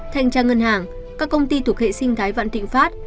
thanh tra ngân hàng các công ty thuộc hệ sinh thái vạn thịnh pháp